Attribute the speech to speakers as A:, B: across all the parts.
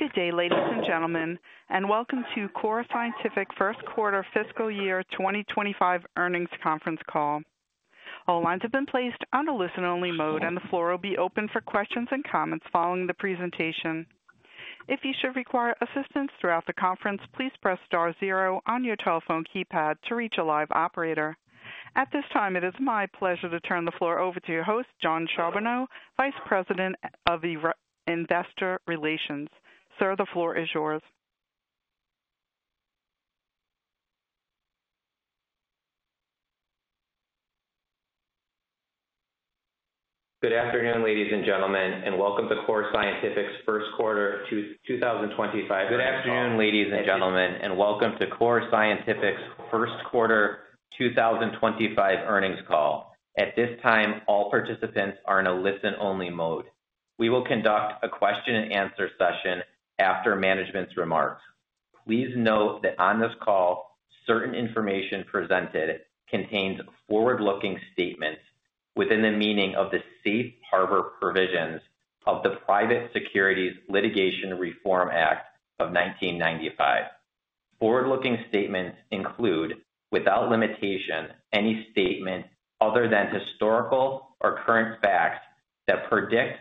A: Good day, ladies and gentlemen, and welcome to Core Scientific first quarter fiscal year 2025 earnings conference call. All lines have been placed on a listen-only mode, and the floor will be open for questions and comments following the presentation. If you should require assistance throughout the conference, please press star zero on your telephone keypad to reach a live operator. At this time, it is my pleasure to turn the floor over to your host, Jon Charbonneau, Vice President of Investor Relations. Sir, the floor is yours.
B: Good afternoon, ladies and gentlemen, and welcome to Core Scientific's first quarter earnings. Good afternoon, ladies and gentlemen, and welcome to Core Scientific's first quarter 2025 earnings call. At this time, all participants are in a listen-only mode. We will conduct a question-and-answer session after management's remarks. Please note that on this call, certain information presented contains forward-looking statements within the meaning of the safe harbor provisions of the Private Securities Litigation Reform Act of 1995. Forward-looking statements include, without limitation, any statement other than historical or current facts that predict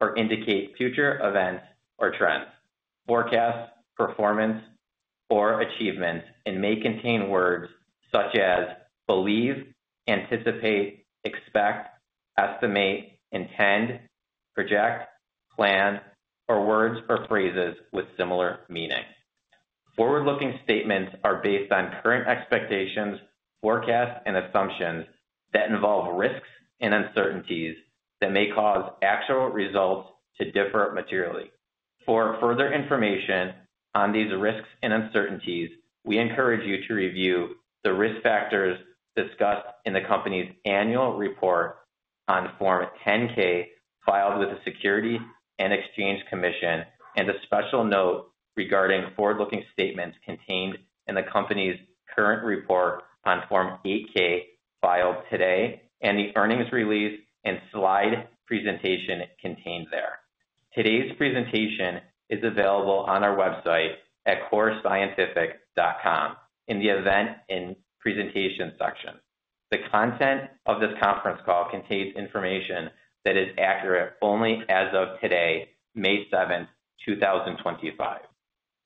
B: or indicate future events or trends, forecasts, performance, or achievements, and may contain words such as believe, anticipate, expect, estimate, intend, project, plan, or words or phrases with similar meaning. Forward-looking statements are based on current expectations, forecasts, and assumptions that involve risks and uncertainties that may cause actual results to differ materially. For further information on these risks and uncertainties, we encourage you to review the risk factors discussed in the company's annual report on Form 10-K filed with the Securities and Exchange Commission and a special note regarding forward-looking statements contained in the company's current report on Form 8-K filed today and the earnings release and slide presentation contained there. Today's presentation is available on our website at CoreScientific.com in the event and presentation section. The content of this conference call contains information that is accurate only as of today, May 7, 2025.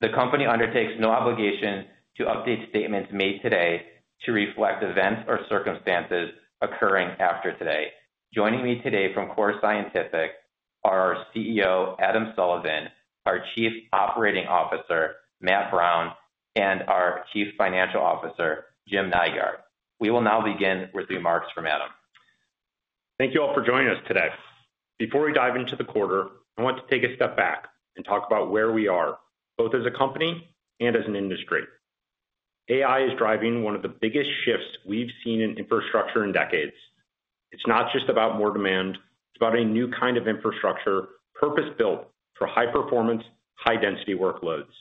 B: The company undertakes no obligation to update statements made today to reflect events or circumstances occurring after today. Joining me today from Core Scientific are our CEO, Adam Sullivan, our Chief Operating Officer, Matt Brown, and our Chief Financial Officer, Jim Nygaard. We will now begin with remarks from Adam.
C: Thank you all for joining us today. Before we dive into the quarter, I want to take a step back and talk about where we are, both as a company and as an industry. AI is driving one of the biggest shifts we've seen in infrastructure in decades. It's not just about more demand; it's about a new kind of infrastructure purpose-built for high-performance, high-density workloads.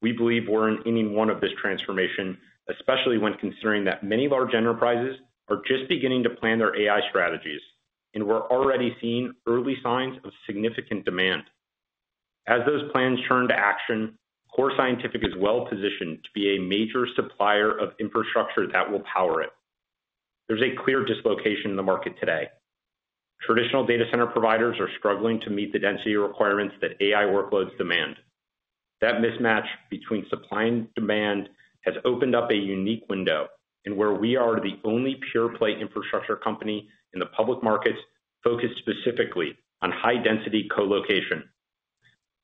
C: We believe we're in inning one of this transformation, especially when considering that many large enterprises are just beginning to plan their AI strategies, and we're already seeing early signs of significant demand. As those plans turn to action, Core Scientific is well-positioned to be a major supplier of infrastructure that will power it. There's a clear dislocation in the market today. Traditional data center providers are struggling to meet the density requirements that AI workloads demand. That mismatch between supply and demand has opened up a unique window in where we are the only pure-play infrastructure company in the public markets focused specifically on high-density co-location.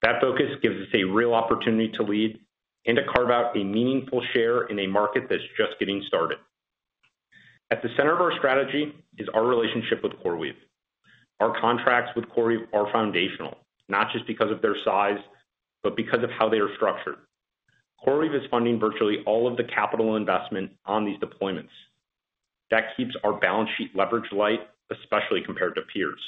C: That focus gives us a real opportunity to lead and to carve out a meaningful share in a market that's just getting started. At the center of our strategy is our relationship with CoreWeave. Our contracts with CoreWeave are foundational, not just because of their size, but because of how they are structured. CoreWeave is funding virtually all of the capital investment on these deployments. That keeps our balance sheet leverage light, especially compared to peers,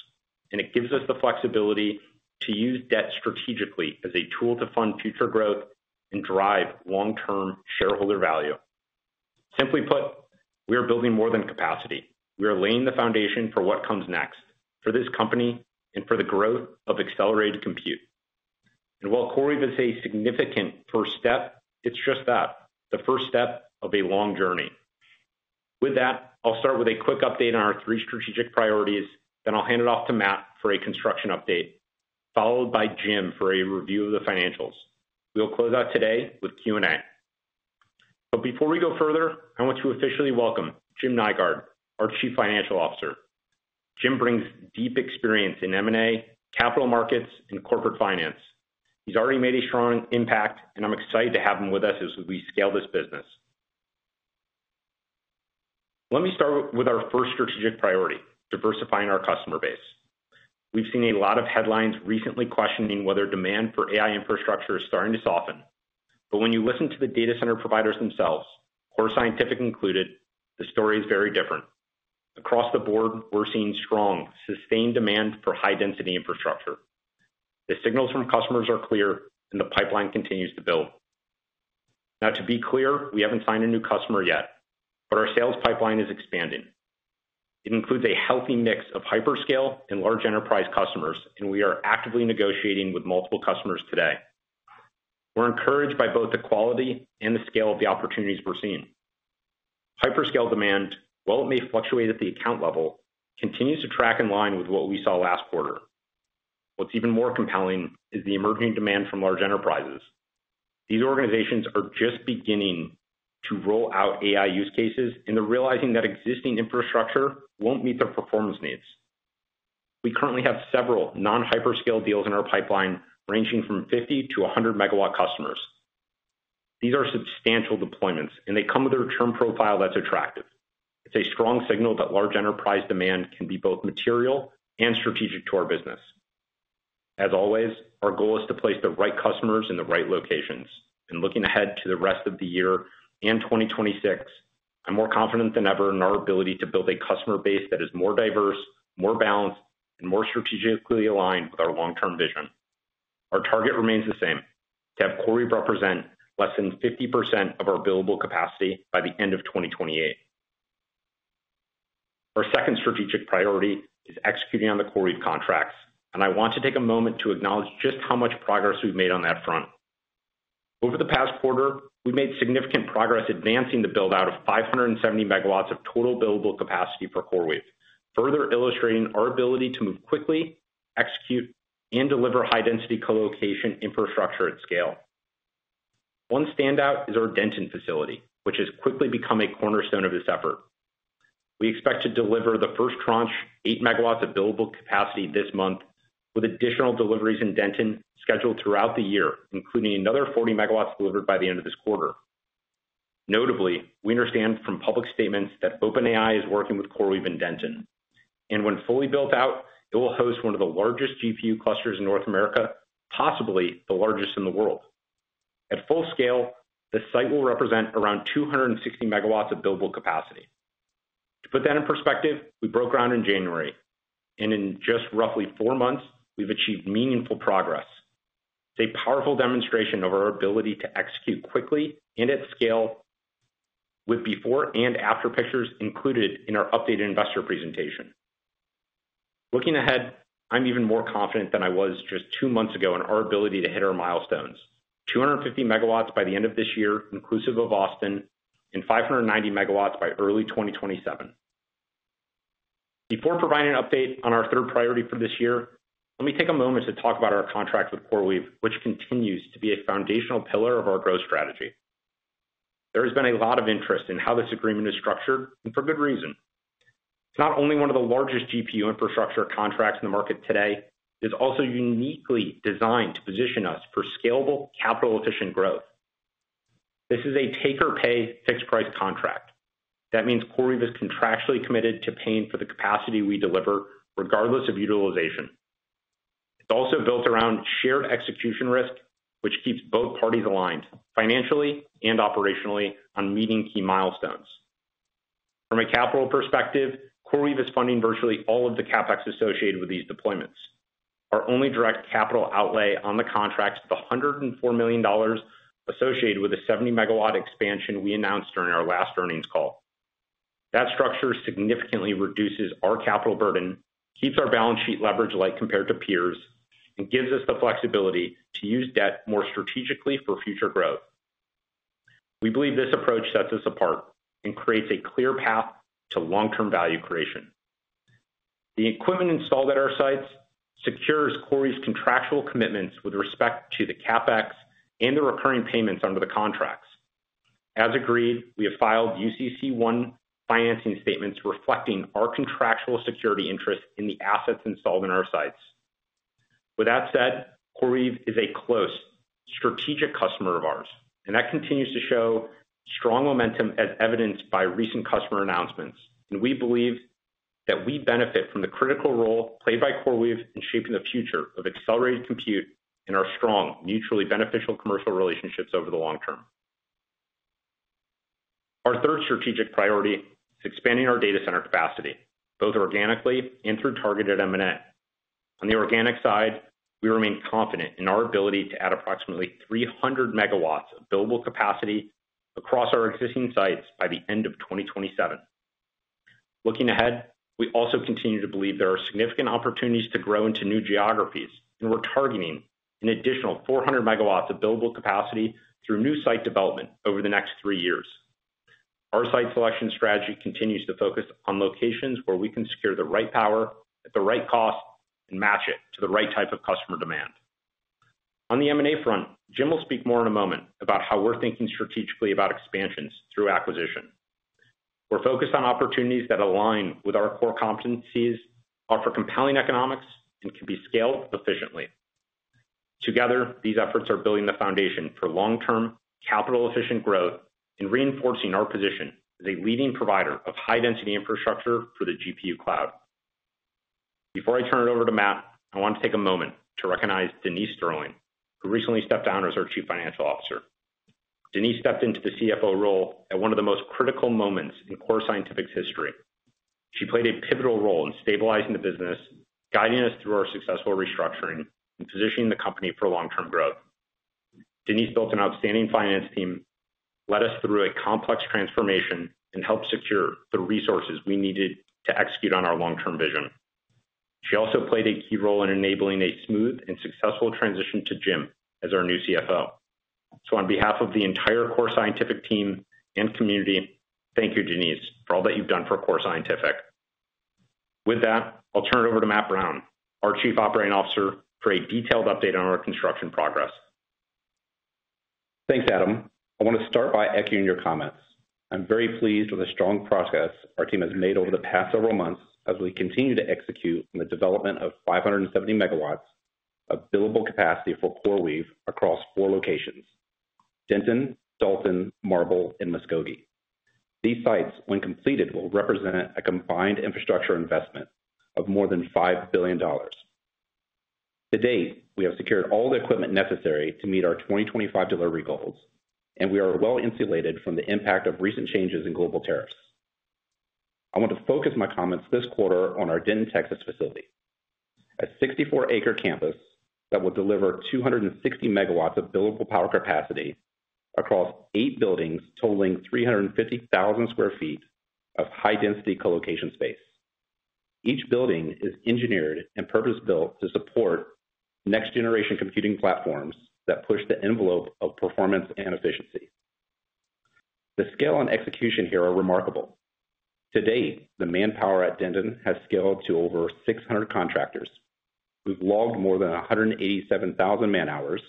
C: and it gives us the flexibility to use debt strategically as a tool to fund future growth and drive long-term shareholder value. Simply put, we are building more than capacity. We are laying the foundation for what comes next for this company and for the growth of accelerated compute. While CoreWeave is a significant first step, it's just that, the first step of a long journey. With that, I'll start with a quick update on our three strategic priorities, then I'll hand it off to Matt for a construction update, followed by Jim for a review of the financials. We'll close out today with Q&A. Before we go further, I want to officially welcome Jim Nygaard, our Chief Financial Officer. Jim brings deep experience in M&A, capital markets, and corporate finance. He's already made a strong impact, and I'm excited to have him with us as we scale this business. Let me start with our first strategic priority: diversifying our customer base. We've seen a lot of headlines recently questioning whether demand for AI infrastructure is starting to soften. When you listen to the data center providers themselves, Core Scientific included, the story is very different. Across the board, we're seeing strong, sustained demand for high-density infrastructure. The signals from customers are clear, and the pipeline continues to build. Now, to be clear, we haven't signed a new customer yet, but our sales pipeline is expanding. It includes a healthy mix of hyperscale and large enterprise customers, and we are actively negotiating with multiple customers today. We're encouraged by both the quality and the scale of the opportunities we're seeing. Hyperscale demand, while it may fluctuate at the account level, continues to track in line with what we saw last quarter. What's even more compelling is the emerging demand from large enterprises. These organizations are just beginning to roll out AI use cases, and they're realizing that existing infrastructure won't meet their performance needs. We currently have several non-hyperscale deals in our pipeline ranging from 50-100 megawatt customers. These are substantial deployments, and they come with a return profile that's attractive. It's a strong signal that large enterprise demand can be both material and strategic to our business. As always, our goal is to place the right customers in the right locations. Looking ahead to the rest of the year and 2026, I'm more confident than ever in our ability to build a customer base that is more diverse, more balanced, and more strategically aligned with our long-term vision. Our target remains the same: to have CoreWeave represent less than 50% of our billable capacity by the end of 2028. Our second strategic priority is executing on the CoreWeave contracts, and I want to take a moment to acknowledge just how much progress we've made on that front. Over the past quarter, we've made significant progress advancing the build-out of 570 megawatts of total billable capacity for CoreWeave, further illustrating our ability to move quickly, execute, and deliver high-density co-location infrastructure at scale. One standout is our Denton facility, which has quickly become a cornerstone of this effort. We expect to deliver the first tranche, eight megawatts of billable capacity this month, with additional deliveries in Denton scheduled throughout the year, including another 40 megawatts delivered by the end of this quarter. Notably, we understand from public statements that OpenAI is working with CoreWeave in Denton, and when fully built out, it will host one of the largest GPU clusters in North America, possibly the largest in the world. At full scale, the site will represent around 260 megawatts of billable capacity. To put that in perspective, we broke ground in January, and in just roughly four months, we've achieved meaningful progress. It's a powerful demonstration of our ability to execute quickly and at scale, with before and after pictures included in our updated investor presentation. Looking ahead, I'm even more confident than I was just two months ago in our ability to hit our milestones: 250 megawatts by the end of this year, inclusive of Austin, and 590 megawatts by early 2027. Before providing an update on our third priority for this year, let me take a moment to talk about our contract with CoreWeave, which continues to be a foundational pillar of our growth strategy. There has been a lot of interest in how this agreement is structured, and for good reason. It's not only one of the largest GPU infrastructure contracts in the market today, it's also uniquely designed to position us for scalable, capital-efficient growth. This is a take-or-pay fixed-price contract. That means CoreWeave is contractually committed to paying for the capacity we deliver, regardless of utilization. It's also built around shared execution risk, which keeps both parties aligned financially and operationally on meeting key milestones. From a capital perspective, CoreWeave is funding virtually all of the CapEx associated with these deployments. Our only direct capital outlay on the contract is $104 million associated with a 70 megawatt expansion we announced during our last earnings call. That structure significantly reduces our capital burden, keeps our balance sheet leverage light compared to peers, and gives us the flexibility to use debt more strategically for future growth. We believe this approach sets us apart and creates a clear path to long-term value creation. The equipment installed at our sites secures CoreWeave's contractual commitments with respect to the CapEx and the recurring payments under the contracts. As agreed, we have filed UCC1 financing statements reflecting our contractual security interests in the assets installed in our sites. With that said, CoreWeave is a close strategic customer of ours, and that continues to show strong momentum as evidenced by recent customer announcements. We believe that we benefit from the critical role played by CoreWeave in shaping the future of accelerated compute and our strong, mutually beneficial commercial relationships over the long term. Our third strategic priority is expanding our data center capacity, both organically and through targeted M&A. On the organic side, we remain confident in our ability to add approximately 300 megawatts of billable capacity across our existing sites by the end of 2027. Looking ahead, we also continue to believe there are significant opportunities to grow into new geographies, and we're targeting an additional 400 megawatts of billable capacity through new site development over the next three years. Our site selection strategy continues to focus on locations where we can secure the right power at the right cost and match it to the right type of customer demand. On the M&A front, Jim will speak more in a moment about how we're thinking strategically about expansions through acquisition. We're focused on opportunities that align with our core competencies, offer compelling economics, and can be scaled efficiently. Together, these efforts are building the foundation for long-term capital-efficient growth and reinforcing our position as a leading provider of high-density infrastructure for the GPU cloud. Before I turn it over to Matt, I want to take a moment to recognize Denise Sterling, who recently stepped down as our Chief Financial Officer. Denise stepped into the CFO role at one of the most critical moments in Core Scientific's history. She played a pivotal role in stabilizing the business, guiding us through our successful restructuring, and positioning the company for long-term growth. Denise built an outstanding finance team, led us through a complex transformation, and helped secure the resources we needed to execute on our long-term vision. She also played a key role in enabling a smooth and successful transition to Jim as our new CFO. On behalf of the entire Core Scientific team and community, thank you, Denise, for all that you've done for Core Scientific. With that, I'll turn it over to Matt Brown, our Chief Operating Officer, for a detailed update on our construction progress.
D: Thanks, Adam. I want to start by echoing your comments. I'm very pleased with the strong progress our team has made over the past several months as we continue to execute on the development of 570 megawatts of billable capacity for CoreWeave across four locations: Denton, Dalton, Marble, and Muskogee. These sites, when completed, will represent a combined infrastructure investment of more than $5 billion. To date, we have secured all the equipment necessary to meet our 2025 delivery goals, and we are well-insulated from the impact of recent changes in global tariffs. I want to focus my comments this quarter on our Denton, Texas facility. A 64-acre campus that will deliver 260 megawatts of billable power capacity across eight buildings totaling 350,000 sq ft of high-density co-location space. Each building is engineered and purpose-built to support next-generation computing platforms that push the envelope of performance and efficiency. The scale and execution here are remarkable. To date, the manpower at Denton has scaled to over 600 contractors. We've logged more than 187,000 man-hours,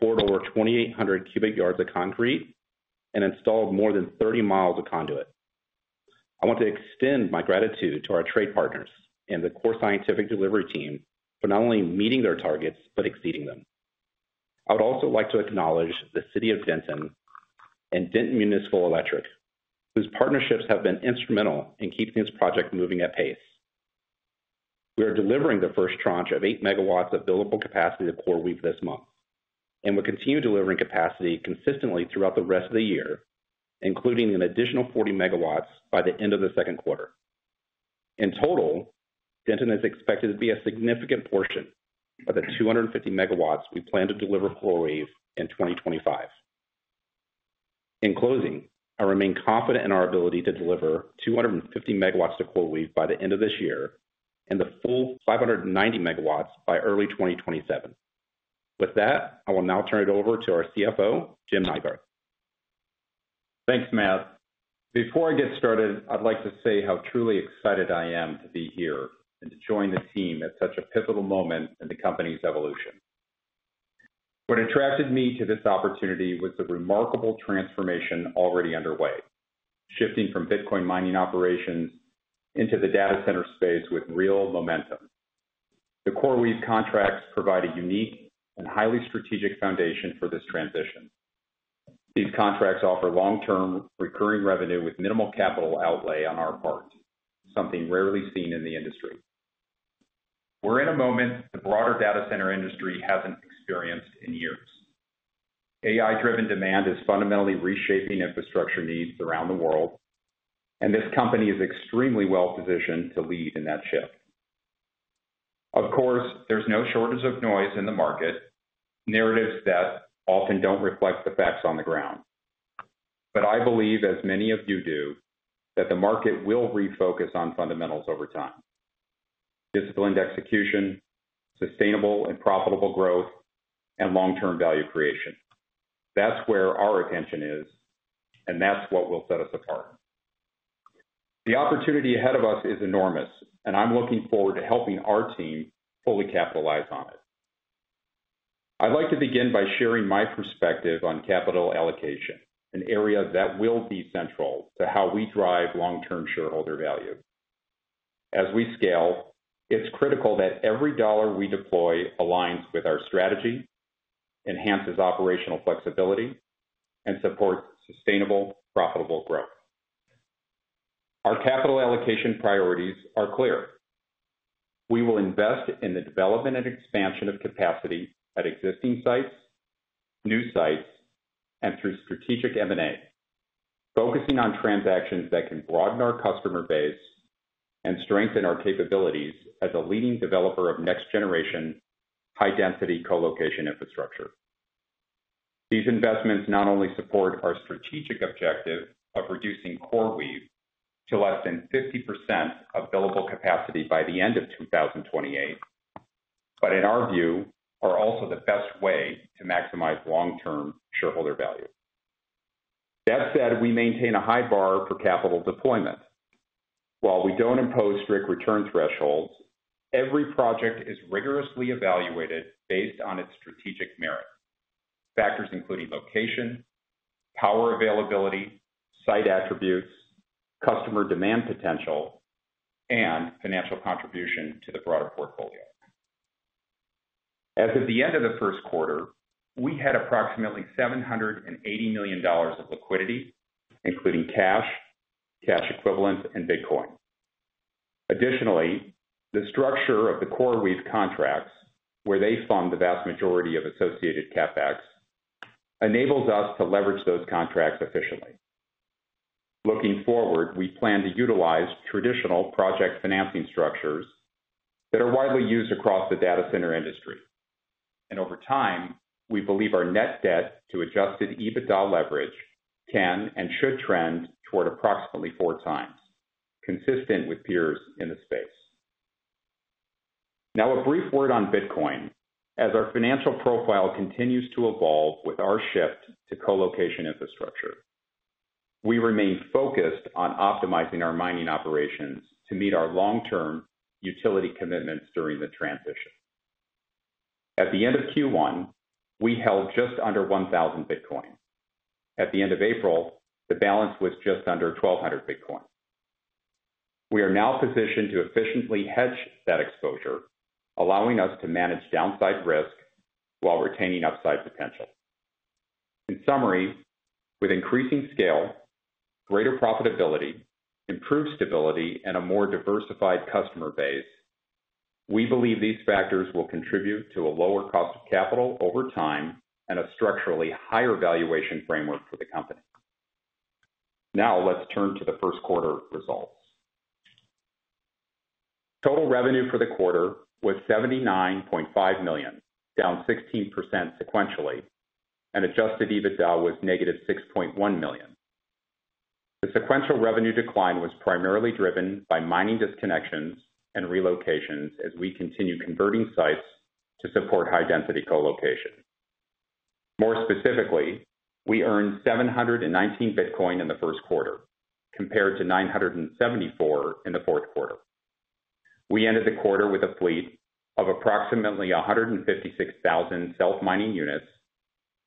D: poured over 2,800 cubic yards of concrete, and installed more than 30 mi of conduit. I want to extend my gratitude to our trade partners and the Core Scientific delivery team for not only meeting their targets but exceeding them. I would also like to acknowledge the City of Denton and Denton Municipal Electric, whose partnerships have been instrumental in keeping this project moving at pace. We are delivering the first tranche of 8 megawatts of billable capacity to CoreWeave this month, and we'll continue delivering capacity consistently throughout the rest of the year, including an additional 40 megawatts by the end of the second quarter. In total, Denton is expected to be a significant portion of the 250 megawatts we plan to deliver CoreWeave in 2025. In closing, I remain confident in our ability to deliver 250 megawatts to CoreWeave by the end of this year and the full 590 megawatts by early 2027. With that, I will now turn it over to our CFO, Jim Nygaard.
E: Thanks, Matt. Before I get started, I'd like to say how truly excited I am to be here and to join the team at such a pivotal moment in the company's evolution. What attracted me to this opportunity was the remarkable transformation already underway, shifting from Bitcoin mining operations into the data center space with real momentum. The CoreWeave contracts provide a unique and highly strategic foundation for this transition. These contracts offer long-term recurring revenue with minimal capital outlay on our part, something rarely seen in the industry. We're in a moment the broader data center industry hasn't experienced in years. AI-driven demand is fundamentally reshaping infrastructure needs around the world, and this company is extremely well-positioned to lead in that shift. Of course, there's no shortage of noise in the market, narratives that often don't reflect the facts on the ground. I believe, as many of you do, that the market will refocus on fundamentals over time: discipline to execution, sustainable and profitable growth, and long-term value creation. That's where our attention is, and that's what will set us apart. The opportunity ahead of us is enormous, and I'm looking forward to helping our team fully capitalize on it. I'd like to begin by sharing my perspective on capital allocation, an area that will be central to how we drive long-term shareholder value. As we scale, it's critical that every dollar we deploy aligns with our strategy, enhances operational flexibility, and supports sustainable, profitable growth. Our capital allocation priorities are clear. We will invest in the development and expansion of capacity at existing sites, new sites, and through strategic M&A, focusing on transactions that can broaden our customer base and strengthen our capabilities as a leading developer of next-generation high-density co-location infrastructure. These investments not only support our strategic objective of reducing CoreWeave to less than 50% of billable capacity by the end of 2028, but in our view, are also the best way to maximize long-term shareholder value. That said, we maintain a high bar for capital deployment. While we don't impose strict return thresholds, every project is rigorously evaluated based on its strategic merit, factors including location, power availability, site attributes, customer demand potential, and financial contribution to the broader portfolio. As of the end of the first quarter, we had approximately $780 million of liquidity, including cash, cash equivalents, and Bitcoin. Additionally, the structure of the CoreWeave contracts, where they fund the vast majority of associated CapEx, enables us to leverage those contracts efficiently. Looking forward, we plan to utilize traditional project financing structures that are widely used across the data center industry. Over time, we believe our net debt to adjusted EBITDA leverage can and should trend toward approximately four times, consistent with peers in the space. Now, a brief word on Bitcoin. As our financial profile continues to evolve with our shift to co-location infrastructure, we remain focused on optimizing our mining operations to meet our long-term utility commitments during the transition. At the end of Q1, we held just under 1,000 Bitcoin. At the end of April, the balance was just under 1,200 Bitcoin. We are now positioned to efficiently hedge that exposure, allowing us to manage downside risk while retaining upside potential. In summary, with increasing scale, greater profitability, improved stability, and a more diversified customer base, we believe these factors will contribute to a lower cost of capital over time and a structurally higher valuation framework for the company. Now, let's turn to the first quarter results. Total revenue for the quarter was $79.5 million, down 16% sequentially, and adjusted EBITDA was -$6.1 million. The sequential revenue decline was primarily driven by mining disconnections and relocations as we continue converting sites to support high-density co-location. More specifically, we earned 719 Bitcoin in the first quarter, compared to 974 in the fourth quarter. We ended the quarter with a fleet of approximately 156,000 self-mining units,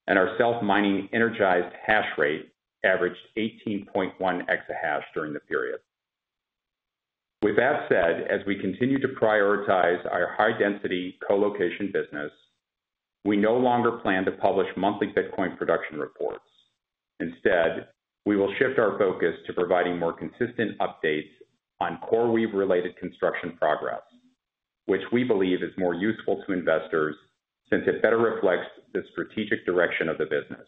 E: and our self-mining energized hash rate averaged 18.1 exahash during the period. With that said, as we continue to prioritize our high-density co-location business, we no longer plan to publish monthly Bitcoin production reports. Instead, we will shift our focus to providing more consistent updates on CoreWeave-related construction progress, which we believe is more useful to investors since it better reflects the strategic direction of the business.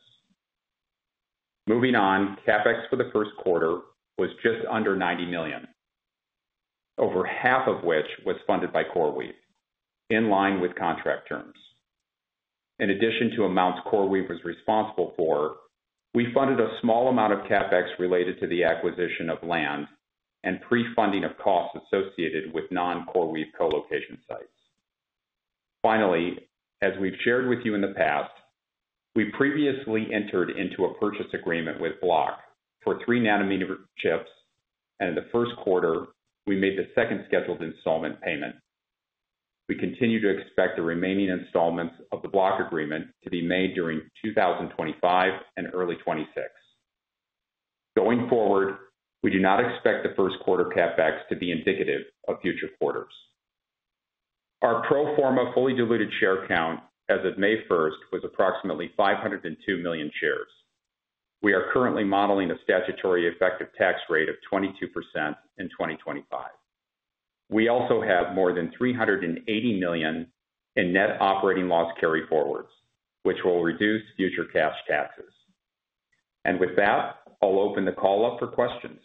E: Moving on, CapEx for the first quarter was just under $90 million, over half of which was funded by CoreWeave, in line with contract terms. In addition to amounts CoreWeave was responsible for, we funded a small amount of CapEx related to the acquisition of land and pre-funding of costs associated with non-CoreWeave co-location sites. Finally, as we've shared with you in the past, we previously entered into a purchase agreement with Block for three nanometer chips, and in the first quarter, we made the second scheduled installment payment. We continue to expect the remaining installments of the Block agreement to be made during 2025 and early 2026. Going forward, we do not expect the first quarter CapEx to be indicative of future quarters. Our pro forma fully diluted share count as of May 1 was approximately 502 million shares. We are currently modeling a statutory effective tax rate of 22% in 2025. We also have more than $380 million in net operating loss carry forwards, which will reduce future cash taxes. With that, I'll open the call up for questions.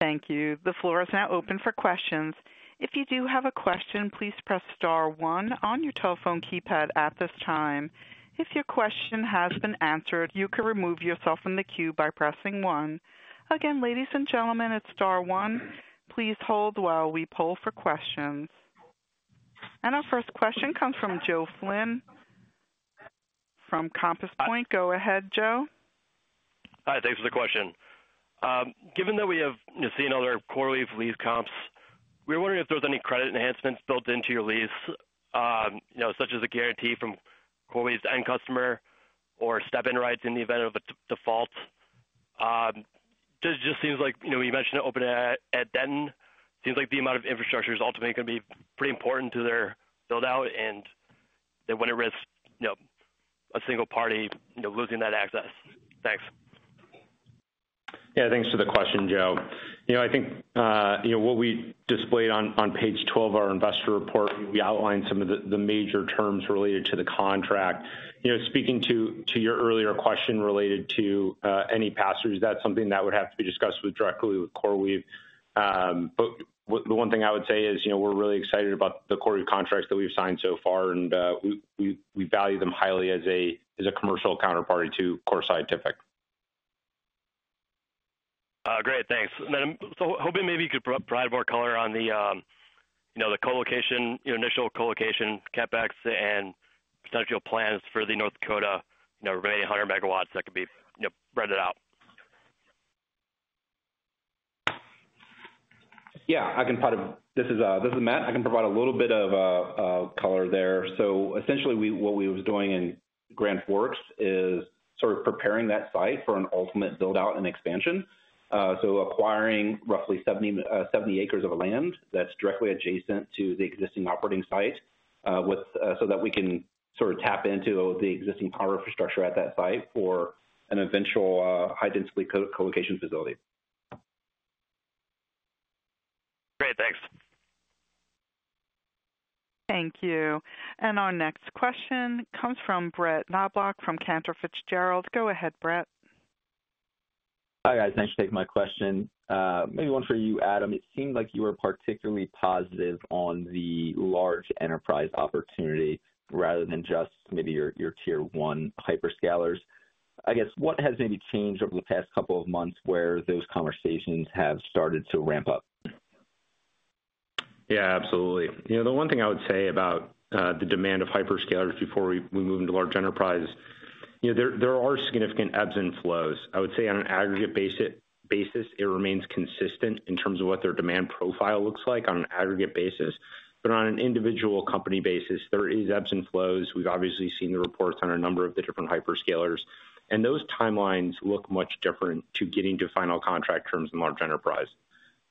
A: Thank you. The floor is now open for questions. If you do have a question, please press star one on your telephone keypad at this time. If your question has been answered, you can remove yourself from the queue by pressing one. Again, ladies and gentlemen, it's star one. Please hold while we pull for questions. Our first question comes from Joe Flynn from Compass Point. Go ahead, Joe.
F: Hi. Thanks for the question. Given that we have seen other CoreWeave lease comps, we were wondering if there were any credit enhancements built into your lease, such as a guarantee from CoreWeave's end customer or step-in rights in the event of a default. It just seems like you mentioned opening it at Denton. It seems like the amount of infrastructure is ultimately going to be pretty important to their build-out, and they wouldn't risk a single party losing that access. Thanks.
C: Yeah. Thanks for the question, Joe. I think what we displayed on page 12 of our investor report, we outlined some of the major terms related to the contract. Speaking to your earlier question related to any pass-throughs, that's something that would have to be discussed directly with CoreWeave. The one thing I would say is we're really excited about the CoreWeave contracts that we've signed so far, and we value them highly as a commercial counterparty to Core Scientific.
F: Great. Thanks. So hoping maybe you could provide more color on the co-location, initial co-location CapEx and potential plans for the North Dakota remaining 100 megawatts that could be rented out.
D: Yeah. This is Matt. I can provide a little bit of color there. Essentially, what we were doing in Grand Forks is sort of preparing that site for an ultimate build-out and expansion. Acquiring roughly 70 acres of land that's directly adjacent to the existing operating site so that we can sort of tap into the existing power infrastructure at that site for an eventual high-density co-location facility.
F: Great. Thanks.
A: Thank you. Our next question comes from Brett Knoblauch from Cantor Fitzgerald. Go ahead, Brett.
G: Hi, guys. Thanks for taking my question. Maybe one for you, Adam. It seemed like you were particularly positive on the large enterprise opportunity rather than just maybe your tier-one hyperscalers. I guess, what has maybe changed over the past couple of months where those conversations have started to ramp up?
C: Yeah. Absolutely. The one thing I would say about the demand of hyperscalers before we move into large enterprise, there are significant ebbs and flows. I would say on an aggregate basis, it remains consistent in terms of what their demand profile looks like on an aggregate basis. On an individual company basis, there are ebbs and flows. We've obviously seen the reports on a number of the different hyperscalers. Those timelines look much different to getting to final contract terms in large enterprise.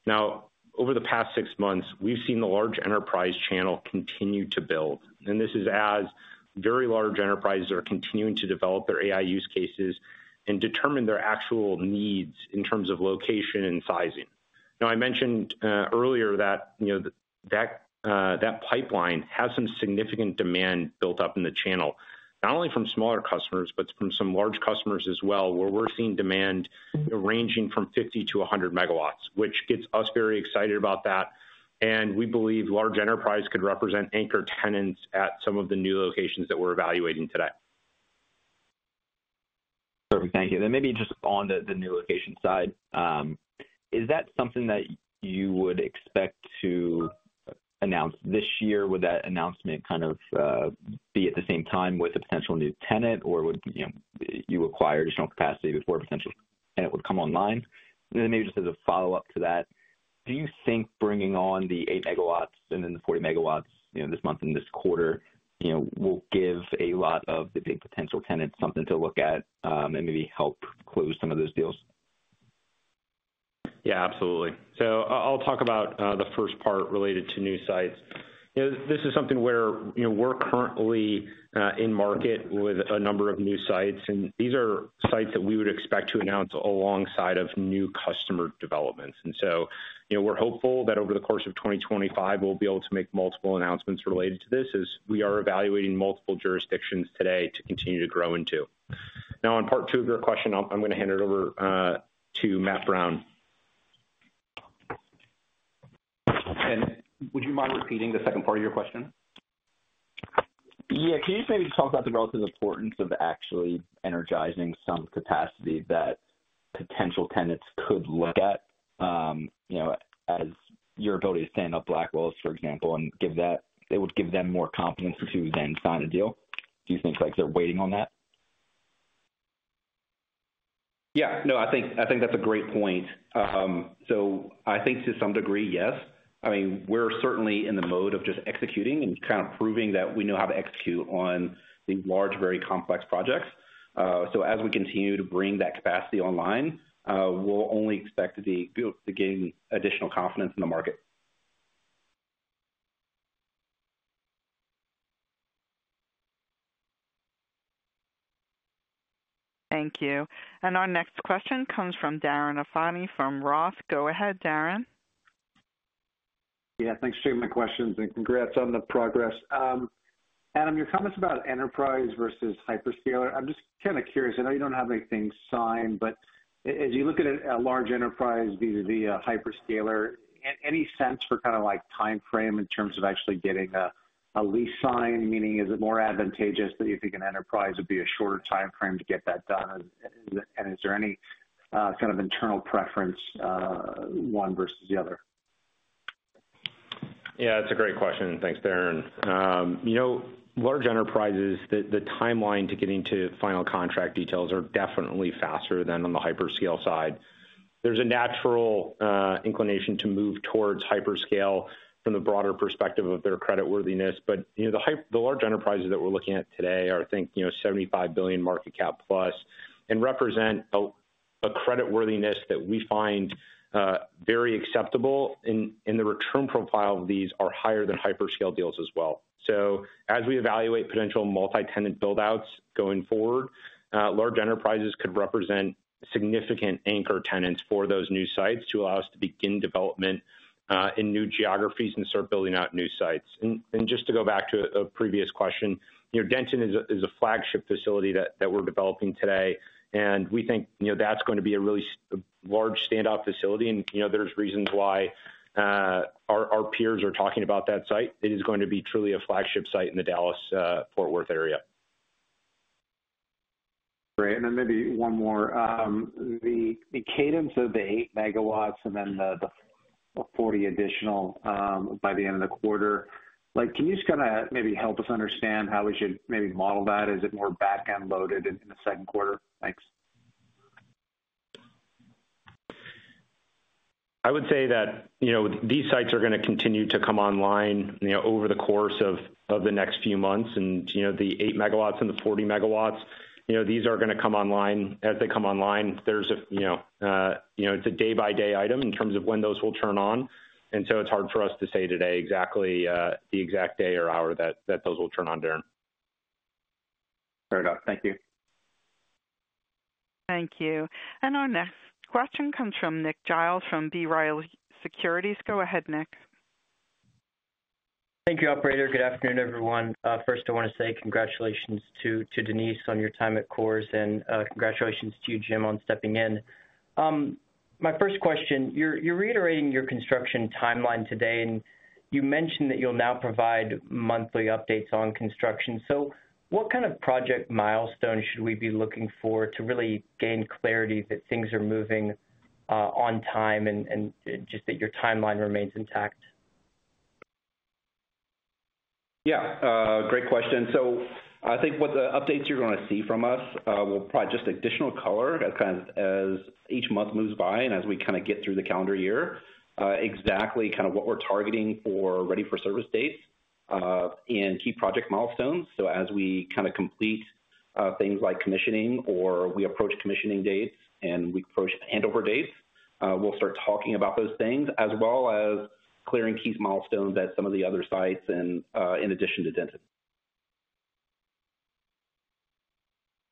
C: Now, over the past six months, we've seen the large enterprise channel continue to build. This is as very large enterprises are continuing to develop their AI use cases and determine their actual needs in terms of location and sizing. Now, I mentioned earlier that that pipeline has some significant demand built up in the channel, not only from smaller customers, but from some large customers as well, where we're seeing demand ranging from 50-100 megawatts, which gets us very excited about that. We believe large enterprise could represent anchor tenants at some of the new locations that we're evaluating today.
G: Perfect. Thank you. Maybe just on the new location side, is that something that you would expect to announce this year? Would that announcement kind of be at the same time with a potential new tenant, or would you acquire additional capacity before a potential tenant would come online? Maybe just as a follow-up to that, do you think bringing on the 8 megawatts and then the 40 megawatts this month and this quarter will give a lot of the big potential tenants something to look at and maybe help close some of those deals?
C: Yeah. Absolutely. I'll talk about the first part related to new sites. This is something where we're currently in market with a number of new sites. These are sites that we would expect to announce alongside new customer developments. We're hopeful that over the course of 2025, we'll be able to make multiple announcements related to this as we are evaluating multiple jurisdictions today to continue to grow into. Now, on part two of your question, I'm going to hand it over to Matt Brown.
D: Would you mind repeating the second part of your question?
G: Yeah. Can you maybe talk about the relative importance of actually energizing some capacity that potential tenants could look at as your ability to stand up Blackwells, for example, and it would give them more confidence to then sign a deal? Do you think they're waiting on that?
D: Yeah. No, I think that's a great point. I think to some degree, yes. I mean, we're certainly in the mode of just executing and kind of proving that we know how to execute on these large, very complex projects. As we continue to bring that capacity online, we'll only expect to gain additional confidence in the market.
A: Thank you. Our next question comes from Darren Afani from Roth. Go ahead, Darren.
H: Yeah. Thanks for taking my questions and congrats on the progress. Adam, your comments about enterprise versus hyperscaler, I'm just kind of curious. I know you don't have anything signed, but as you look at a large enterprise vis-à-vis a hyperscaler, any sense for kind of like timeframe in terms of actually getting a lease sign? Meaning, is it more advantageous that you think an enterprise would be a shorter timeframe to get that done? Is there any kind of internal preference, one versus the other?
C: Yeah. That's a great question. Thanks, Darren. Large enterprises, the timeline to getting to final contract details are definitely faster than on the hyperscale side. There's a natural inclination to move towards hyperscale from the broader perspective of their creditworthiness. The large enterprises that we're looking at today are, I think, $75 billion market cap plus and represent a creditworthiness that we find very acceptable. The return profile of these are higher than hyperscale deals as well. As we evaluate potential multi-tenant build-outs going forward, large enterprises could represent significant anchor tenants for those new sites to allow us to begin development in new geographies and start building out new sites. Just to go back to a previous question, Denton is a flagship facility that we're developing today. We think that's going to be a really large standout facility. There are reasons why our peers are talking about that site. It is going to be truly a flagship site in the Dallas-Fort Worth area.
H: Great. Maybe one more. The cadence of the 8 megawatts and then the 40 additional by the end of the quarter, can you just kind of maybe help us understand how we should maybe model that? Is it more back-end loaded in the second quarter? Thanks.
C: I would say that these sites are going to continue to come online over the course of the next few months. The 8 megawatts and the 40 megawatts, these are going to come online. As they come online, it's a day-by-day item in terms of when those will turn on. It's hard for us to say today exactly the exact day or hour that those will turn on, Darren.
H: Fair enough. Thank you.
A: Thank you. Our next question comes from Nick Giles from B-Riley Securities. Go ahead, Nick.
I: Thank you, Operator. Good afternoon, everyone. First, I want to say congratulations to Denise on your time at Core Scientific, and congratulations to you, Jim, on stepping in. My first question, you're reiterating your construction timeline today, and you mentioned that you'll now provide monthly updates on construction. What kind of project milestones should we be looking for to really gain clarity that things are moving on time and just that your timeline remains intact?
D: Yeah. Great question. I think what the updates you're going to see from us will provide just additional color as each month moves by and as we kind of get through the calendar year, exactly kind of what we're targeting for ready-for-service dates and key project milestones. As we kind of complete things like commissioning or we approach commissioning dates and we approach handover dates, we'll start talking about those things as well as clearing key milestones at some of the other sites in addition to Denton.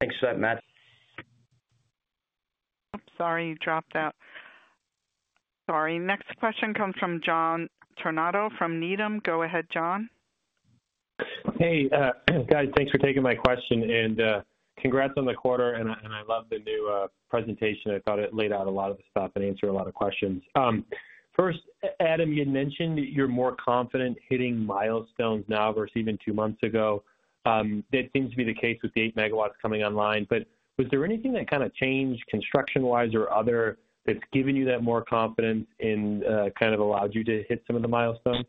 I: Thanks for that, Matt.
A: Oops. Sorry, you dropped out. Sorry. Next question comes from John Todaro from Needham. Go ahead, John.
J: Hey, guys. Thanks for taking my question. Congrats on the quarter. I love the new presentation. I thought it laid out a lot of the stuff and answered a lot of questions. First, Adam, you had mentioned you're more confident hitting milestones now versus even two months ago. That seems to be the case with the 8 megawatts coming online. Was there anything that kind of changed construction-wise or other that's given you that more confidence and kind of allowed you to hit some of the milestones?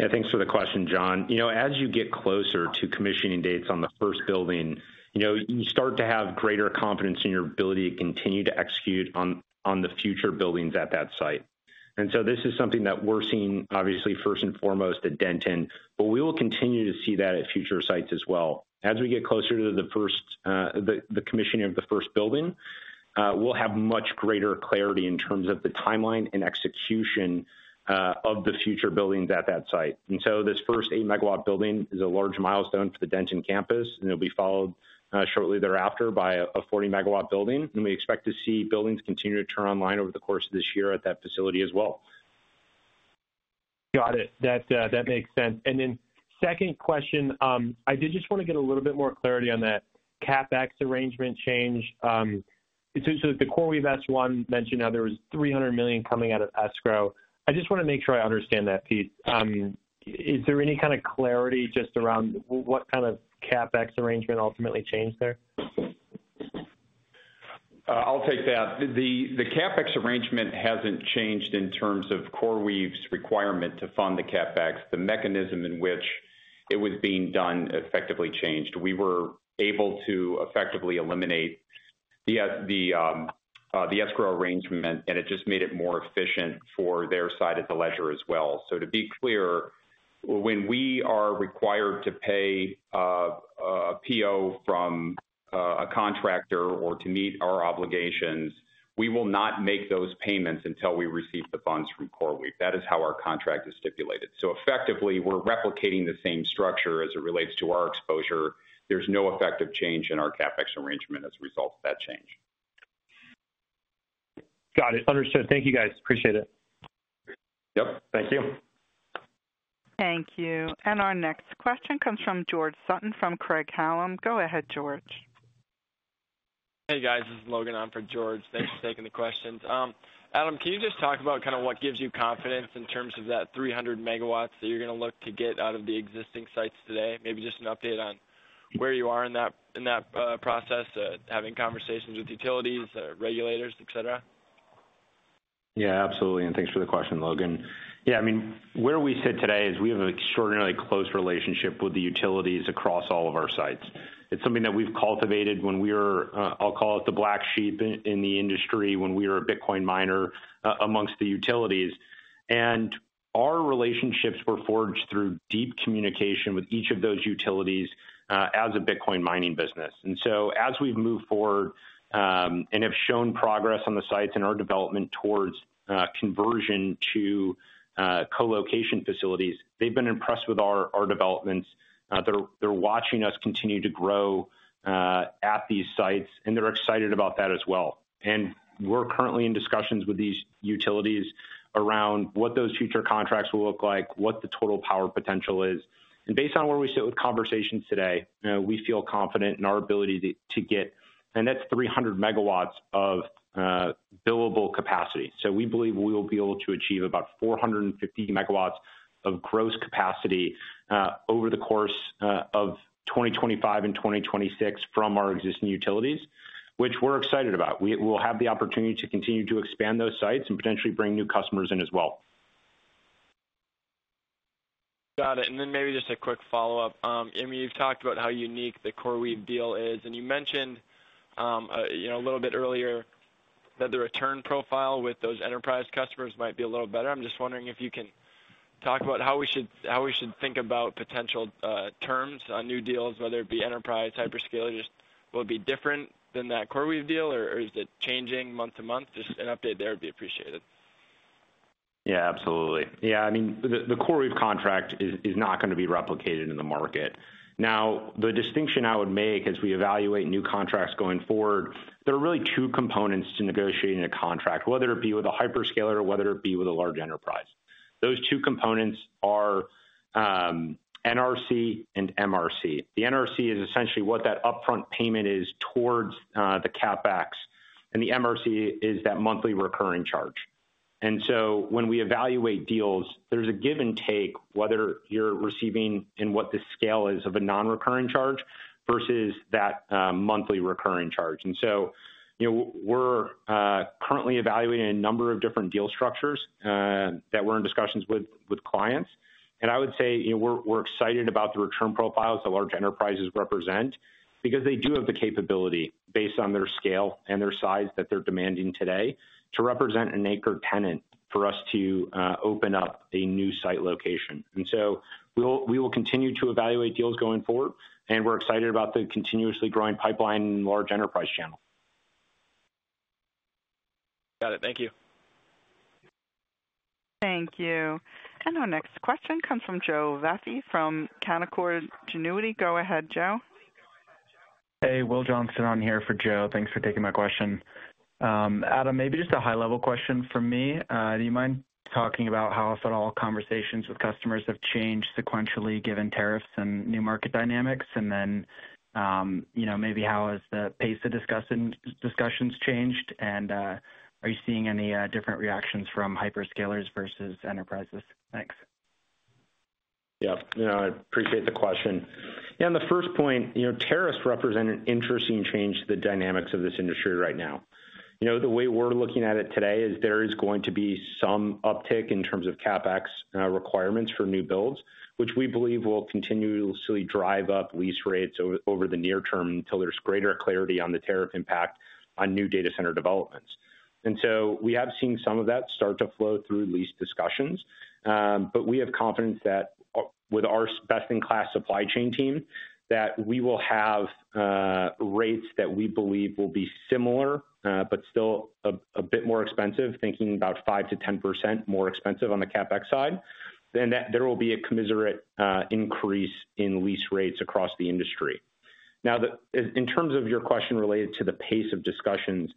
C: Yeah. Thanks for the question, John. As you get closer to commissioning dates on the first building, you start to have greater confidence in your ability to continue to execute on the future buildings at that site. This is something that we're seeing, obviously, first and foremost at Denton. We will continue to see that at future sites as well. As we get closer to the commissioning of the first building, we'll have much greater clarity in terms of the timeline and execution of the future buildings at that site. This first 8-megawatt building is a large milestone for the Denton campus. It'll be followed shortly thereafter by a 40-megawatt building. We expect to see buildings continue to turn online over the course of this year at that facility as well.
J: Got it. That makes sense. Then second question, I did just want to get a little bit more clarity on that CapEx arrangement change. The CoreWeave S1 mentioned how there was $300 million coming out of escrow. I just want to make sure I understand that piece. Is there any kind of clarity just around what kind of CapEx arrangement ultimately changed there?
E: I'll take that. The CapEx arrangement hasn't changed in terms of CoreWeave's requirement to fund the CapEx. The mechanism in which it was being done effectively changed. We were able to effectively eliminate the escrow arrangement, and it just made it more efficient for their side of the ledger as well. To be clear, when we are required to pay a PO from a contractor or to meet our obligations, we will not make those payments until we receive the funds from CoreWeave. That is how our contract is stipulated. Effectively, we're replicating the same structure as it relates to our exposure. There's no effective change in our CapEx arrangement as a result of that change.
J: Got it. Understood. Thank you, guys. Appreciate it.
E: Yep. Thank you.
A: Thank you. Our next question comes from George Sutton from Craig Hallum. Go ahead, George.
K: Hey, guys. This is Logan. I'm for George. Thanks for taking the questions. Adam, can you just talk about kind of what gives you confidence in terms of that 300 megawatts that you're going to look to get out of the existing sites today? Maybe just an update on where you are in that process, having conversations with utilities, regulators, etc.?
C: Yeah. Absolutely. Thanks for the question, Logan. Yeah. I mean, where we sit today is we have an extraordinarily close relationship with the utilities across all of our sites. It's something that we've cultivated when we were, I'll call it, the black sheep in the industry, when we were a Bitcoin miner amongst the utilities. Our relationships were forged through deep communication with each of those utilities as a Bitcoin mining business. As we've moved forward and have shown progress on the sites and our development towards conversion to colocation facilities, they've been impressed with our developments. They're watching us continue to grow at these sites, and they're excited about that as well. We're currently in discussions with these utilities around what those future contracts will look like, what the total power potential is. Based on where we sit with conversations today, we feel confident in our ability to get—that is 300 megawatts of billable capacity. We believe we will be able to achieve about 450 megawatts of gross capacity over the course of 2025 and 2026 from our existing utilities, which we are excited about. We will have the opportunity to continue to expand those sites and potentially bring new customers in as well.
K: Got it. Maybe just a quick follow-up. I mean, you've talked about how unique the CoreWeave deal is. You mentioned a little bit earlier that the return profile with those enterprise customers might be a little better. I'm just wondering if you can talk about how we should think about potential terms on new deals, whether it be enterprise, hyperscale, or just will it be different than that CoreWeave deal, or is it changing month to month? Just an update there would be appreciated.
G: Yeah. Absolutely. Yeah. I mean, the CoreWeave contract is not going to be replicated in the market. Now, the distinction I would make as we evaluate new contracts going forward, there are really two components to negotiating a contract, whether it be with a hyperscaler or whether it be with a large enterprise. Those two components are NRC and MRC. The NRC is essentially what that upfront payment is towards the CapEx. And the MRC is that monthly recurring charge. When we evaluate deals, there is a give and take whether you are receiving and what the scale is of a non-recurring charge versus that monthly recurring charge. We are currently evaluating a number of different deal structures that we are in discussions with clients. We are excited about the return profiles that large enterprises represent because they do have the capability based on their scale and their size that they are demanding today to represent an anchor tenant for us to open up a new site location. We will continue to evaluate deals going forward. We are excited about the continuously growing pipeline in the large enterprise channel.
L: Got it. Thank you.
A: Thank you. Our next question comes from (Joe Wood from Chemical Junuti). Go ahead, Joe.
M: Hey. Will Johnson on here for Joe. Thanks for taking my question. Adam, maybe just a high-level question from me. Do you mind talking about how, if at all, conversations with customers have changed sequentially given tariffs and new market dynamics? Maybe how has the pace of discussions changed? Are you seeing any different reactions from hyperscalers versus enterprises? Thanks.
C: Yeah. I appreciate the question. Yeah. On the first point, tariffs represent an interesting change to the dynamics of this industry right now. The way we're looking at it today is there is going to be some uptick in terms of CapEx requirements for new builds, which we believe will continuously drive up lease rates over the near term until there's greater clarity on the tariff impact on new data center developments. We have seen some of that start to flow through lease discussions. We have confidence that with our best-in-class supply chain team, we will have rates that we believe will be similar but still a bit more expensive, thinking about 5-10% more expensive on the CapEx side, and that there will be a commiserate increase in lease rates across the industry. Now, in terms of your question related to the pace of discussions,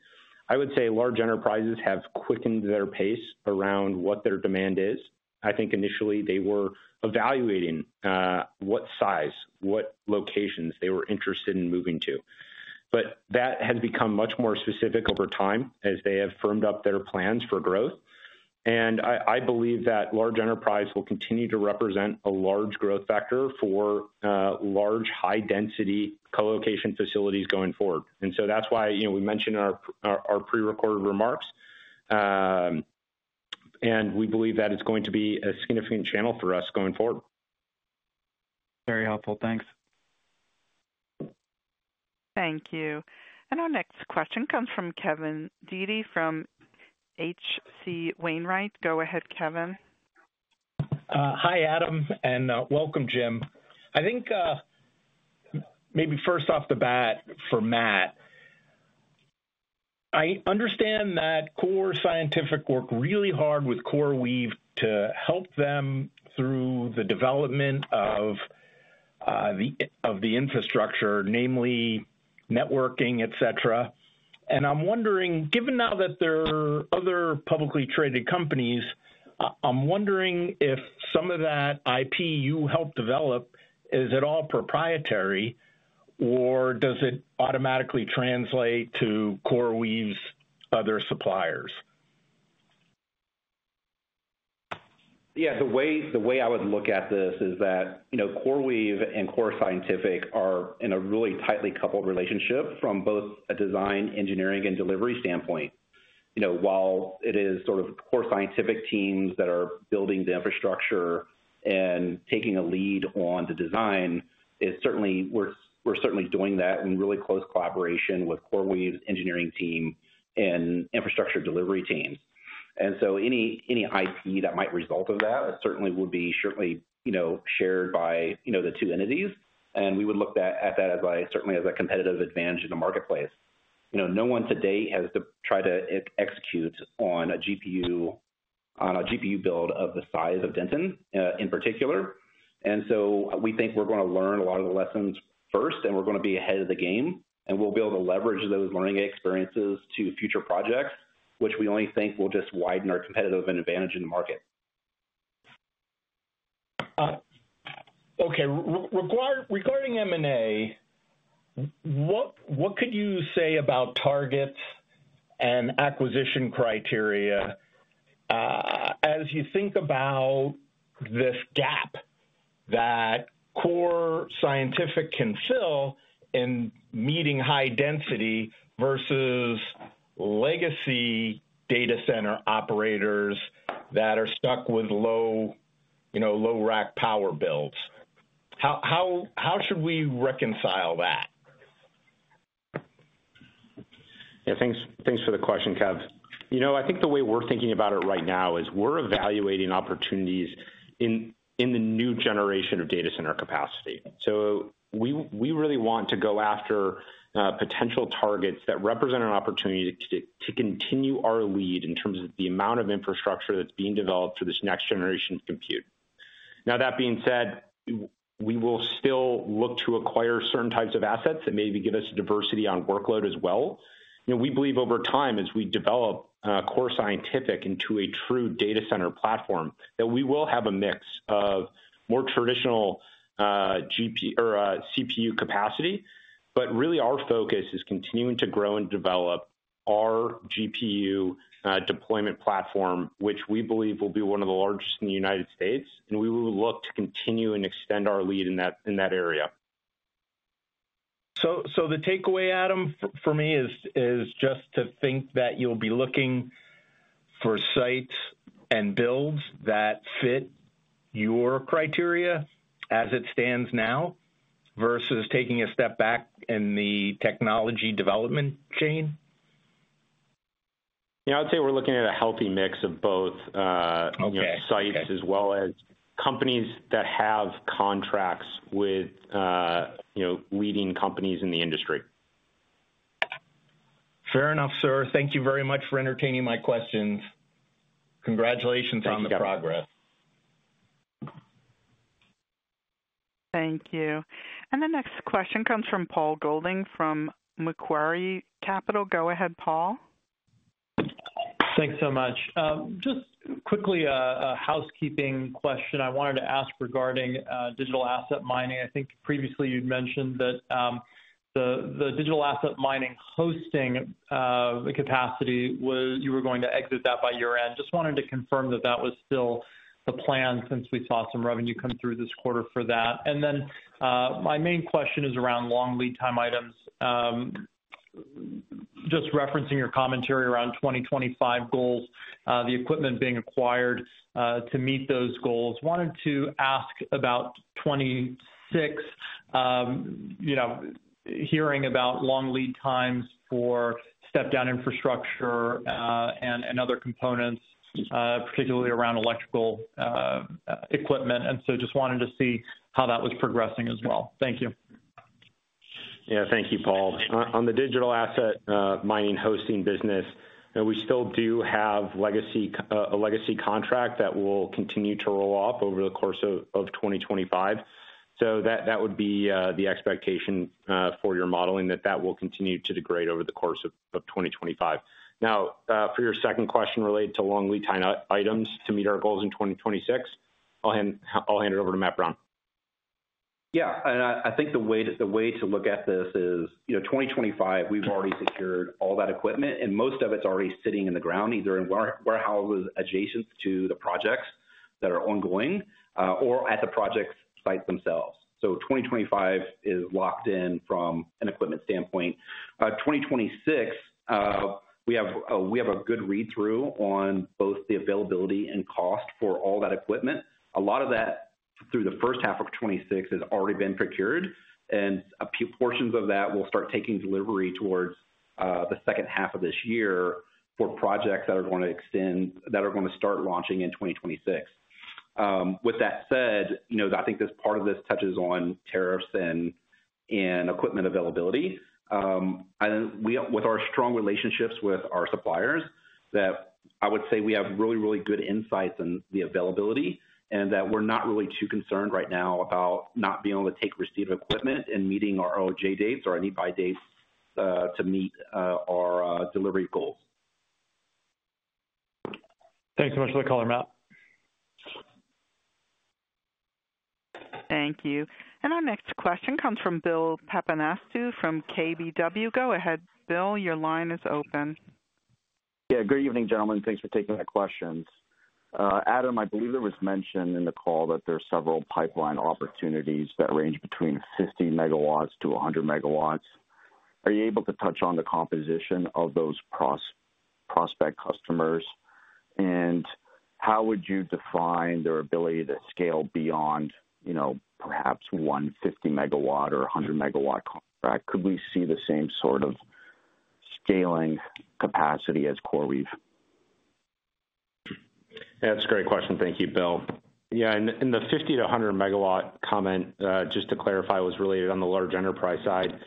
C: I would say large enterprises have quickened their pace around what their demand is. I think initially, they were evaluating what size, what locations they were interested in moving to. That has become much more specific over time as they have firmed up their plans for growth. I believe that large enterprise will continue to represent a large growth factor for large high-density colocation facilities going forward. That is why we mentioned in our prerecorded remarks. We believe that it is going to be a significant channel for us going forward.
M: Very helpful. Thanks.
A: Thank you. Our next question comes from Kevin Dede from HC Wainwright. Go ahead, Kevin.
N: Hi, Adam. And welcome, Jim. I think maybe first off the bat for Matt, I understand that Core Scientific worked really hard with CoreWeave to help them through the development of the infrastructure, namely networking, etc. I'm wondering, given now that there are other publicly traded companies, I'm wondering if some of that IP you helped develop is at all proprietary, or does it automatically translate to CoreWeave's other suppliers?
D: Yeah. The way I would look at this is that CoreWeave and Core Scientific are in a really tightly coupled relationship from both a design, engineering, and delivery standpoint. While it is sort of Core Scientific teams that are building the infrastructure and taking a lead on the design, we're certainly doing that in really close collaboration with CoreWeave's engineering team and infrastructure delivery teams. Any IP that might result of that certainly would be shared by the two entities. We would look at that certainly as a competitive advantage in the marketplace. No one today has tried to execute on a GPU build of the size of Denton in particular. We think we're going to learn a lot of the lessons first, and we're going to be ahead of the game. We will be able to leverage those learning experiences to future projects, which we only think will just widen our competitive advantage in the market.
N: Okay. Regarding M&A, what could you say about targets and acquisition criteria as you think about this gap that Core Scientific can fill in meeting high-density versus legacy data center operators that are stuck with low-rack power builds? How should we reconcile that?
C: Yeah. Thanks for the question, Kev. I think the way we're thinking about it right now is we're evaluating opportunities in the new generation of data center capacity. We really want to go after potential targets that represent an opportunity to continue our lead in terms of the amount of infrastructure that's being developed for this next generation of compute. That being said, we will still look to acquire certain types of assets that maybe give us diversity on workload as well. We believe over time, as we develop Core Scientific into a true data center platform, that we will have a mix of more traditional CPU capacity. Really, our focus is continuing to grow and develop our GPU deployment platform, which we believe will be one of the largest in the United States. We will look to continue and extend our lead in that area.
N: The takeaway, Adam, for me is just to think that you'll be looking for sites and builds that fit your criteria as it stands now versus taking a step back in the technology development chain?
C: Yeah. I'd say we're looking at a healthy mix of both sites as well as companies that have contracts with leading companies in the industry.
N: Fair enough, sir. Thank you very much for entertaining my questions. Congratulations on the progress.
C: Thank you, Kev.
A: Thank you. The next question comes from Paul Golding from Macquarie Capital. Go ahead, Paul.
O: Thanks so much. Just quickly, a housekeeping question I wanted to ask regarding digital asset mining. I think previously you'd mentioned that the digital asset mining hosting capacity, you were going to exit that by year-end. Just wanted to confirm that that was still the plan since we saw some revenue come through this quarter for that. My main question is around long lead time items. Just referencing your commentary around 2025 goals, the equipment being acquired to meet those goals, wanted to ask about 2026, hearing about long lead times for step-down infrastructure and other components, particularly around electrical equipment. Just wanted to see how that was progressing as well. Thank you.
C: Yeah. Thank you, Paul. On the digital asset mining hosting business, we still do have a legacy contract that will continue to roll off over the course of 2025. That would be the expectation for your modeling, that that will continue to degrade over the course of 2025. Now, for your second question related to long lead time items to meet our goals in 2026, I'll hand it over to Matt Brown.
D: Yeah. I think the way to look at this is 2025, we've already secured all that equipment. Most of it's already sitting in the ground, either in warehouses adjacent to the projects that are ongoing or at the project sites themselves. 2025 is locked in from an equipment standpoint. 2026, we have a good read-through on both the availability and cost for all that equipment. A lot of that through the first half of 2026 has already been procured. Portions of that will start taking delivery towards the second half of this year for projects that are going to extend, that are going to start launching in 2026. With that said, I think this part of this touches on tariffs and equipment availability. With our strong relationships with our suppliers, I would say we have really, really good insights in the availability and that we're not really too concerned right now about not being able to take receipt of equipment and meeting our OJ dates or our NEPI dates to meet our delivery goals.
O: Thanks so much for the call, Matt.
A: Thank you. Our next question comes from Bill Papanastu from KBW. Go ahead, Bill. Your line is open.
P: Yeah. Good evening, gentlemen. Thanks for taking my questions. Adam, I believe there was mention in the call that there are several pipeline opportunities that range between 50 megawatts to 100 megawatts. Are you able to touch on the composition of those prospect customers? How would you define their ability to scale beyond perhaps one 50-megawatt or 100-megawatt contract? Could we see the same sort of scaling capacity as CoreWeave?
C: That's a great question. Thank you, Bill. Yeah. The 50-100 megawatt comment, just to clarify, was related on the large enterprise side.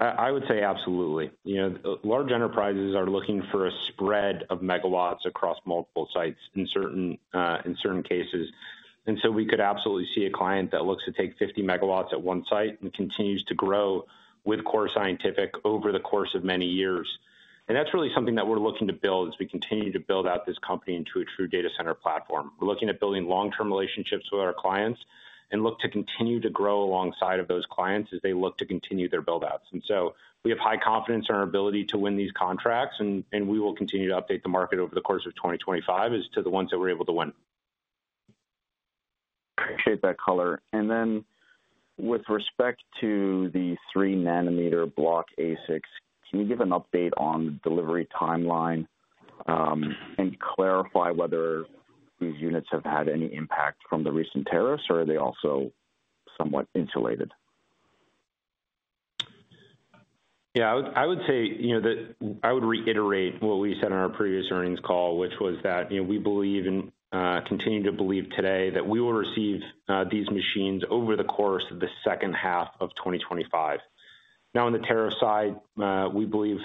C: I would say absolutely. Large enterprises are looking for a spread of megawatts across multiple sites in certain cases. We could absolutely see a client that looks to take 50 megawatts at one site and continues to grow with Core Scientific over the course of many years. That's really something that we're looking to build as we continue to build out this company into a true data center platform. We're looking at building long-term relationships with our clients and look to continue to grow alongside of those clients as they look to continue their build-outs. We have high confidence in our ability to win these contracts. We will continue to update the market over the course of 2025 as to the ones that we're able to win.
P: Appreciate that color. Then with respect to the three nanometer Block ASICs, can you give an update on the delivery timeline and clarify whether these units have had any impact from the recent tariffs, or are they also somewhat insulated?
C: Yeah. I would say that I would reiterate what we said in our previous earnings call, which was that we believe and continue to believe today that we will receive these machines over the course of the second half of 2025. Now, on the tariff side, we believe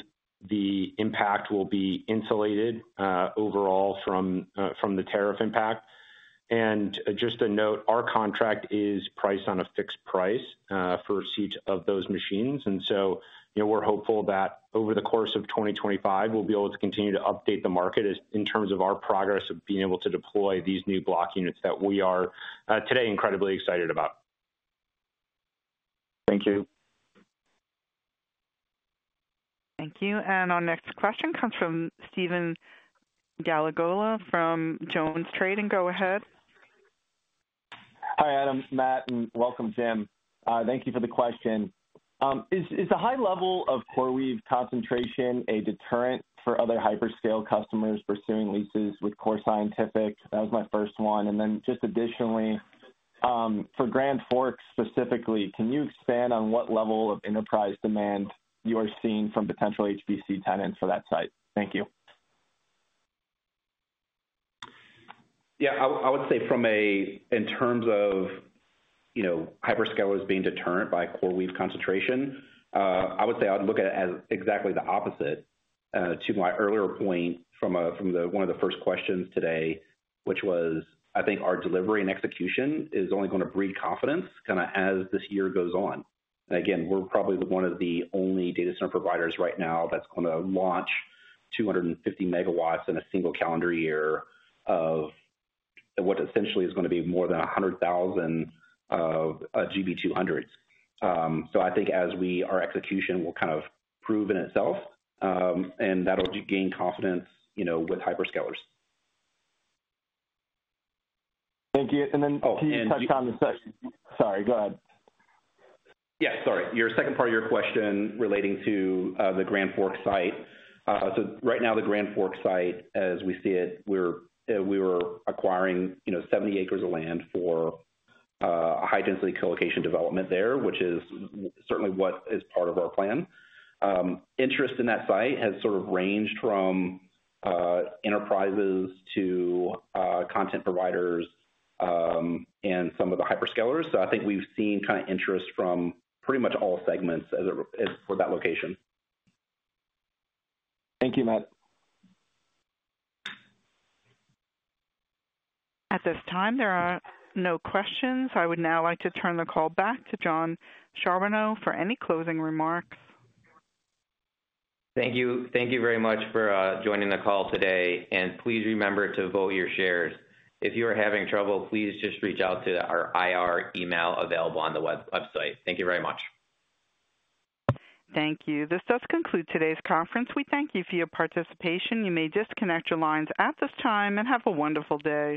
C: the impact will be insulated overall from the tariff impact. Just to note, our contract is priced on a fixed price for each of those machines. We are hopeful that over the course of 2025, we'll be able to continue to update the market in terms of our progress of being able to deploy these new Block units that we are today incredibly excited about.
P: Thank you.
A: Thank you. Our next question comes from Stephen Glagola from Jones Trading. Go ahead.
Q: Hi, Adam, Matt, and welcome, Tim. Thank you for the question. Is the high level of CoreWeave concentration a deterrent for other hyperscale customers pursuing leases with Core Scientific? That was my first one. Additionally, for Grand Forks specifically, can you expand on what level of enterprise demand you are seeing from potential HPC tenants for that site? Thank you.
D: Yeah. I would say in terms of hyperscale as being deterred by CoreWeave concentration, I would say I'd look at it as exactly the opposite to my earlier point from one of the first questions today, which was, I think our delivery and execution is only going to breed confidence kind of as this year goes on. We're probably one of the only data center providers right now that's going to launch 250 megawatts in a single calendar year of what essentially is going to be more than 100,000 GB200s. I think as our execution will kind of prove in itself, and that'll gain confidence with hyperscalers.
Q: Thank you. Can you touch on the second? Sorry. Go ahead.
D: Yeah. Sorry. Your second part of your question relating to the Grand Forks site. Right now, the Grand Forks site, as we see it, we are acquiring 70 acres of land for a high-density co-location development there, which is certainly what is part of our plan. Interest in that site has sort of ranged from enterprises to content providers and some of the hyperscalers. I think we've seen kind of interest from pretty much all segments for that location.
Q: Thank you, Matt.
A: At this time, there are no questions. I would now like to turn the call back to Jon Charbonneau for any closing remarks.
B: Thank you. Thank you very much for joining the call today. Please remember to vote your shares. If you are having trouble, please just reach out to our IR email available on the website. Thank you very much.
A: Thank you. This does conclude today's conference. We thank you for your participation. You may disconnect your lines at this time and have a wonderful day.